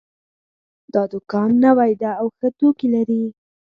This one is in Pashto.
دا دوکان نوی ده او ښه توکي لري